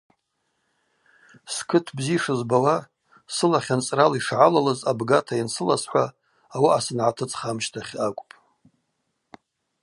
Скыт бзи йшызбауа, сылахь анцӏрала йшгӏалалыз абгата йансыласхӏва ауаъа сангӏатыцӏх амщтахь акӏвпӏ.